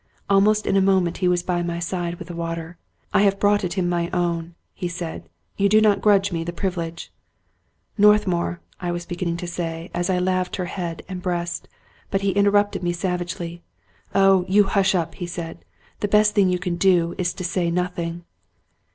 Almost in a moment he was by my side with the water. "I have brought it in my own," he said. "You do not grudge me the privilege ?"" Northmour," I was beginning to say, as I laved her head and breast; but he interrupted me savagely. " Oh, you hush up 1 " he said. " The best thing you can do is to say nothing."